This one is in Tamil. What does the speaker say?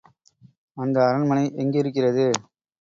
அந்த அரண்மனை எங்கிருக்கிறது?